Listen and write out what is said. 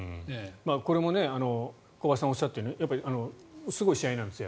これも小林さんがおっしゃるようにすごい試合なんですよ。